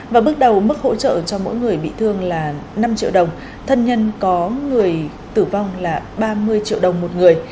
và bước đầu mức hỗ trợ cho mỗi người bị thương là năm triệu đồng thân nhân có người tử vong là ba mươi triệu đồng một người